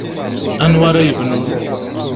Anwa ara yebnun?